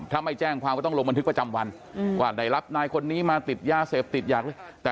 ถ้าไม่แจ้งความก็ต้องลงบันทึกประจำวันว่าได้รับนายคนนี้มาติดยาเสพติดอยาก